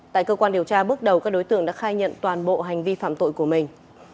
tại cơ quan điều tra bước đầu các đối tượng đã khai nhận toàn bộ hành vi phạm tội của mình